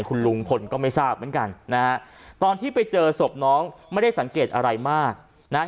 คุณลุงพลก็ไม่ทราบเหมือนกันนะฮะตอนที่ไปเจอศพน้องไม่ได้สังเกตอะไรมากนะฮะ